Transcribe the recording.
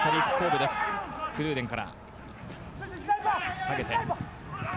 クルーデンから。